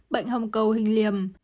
bệnh hồng cầu hình liềm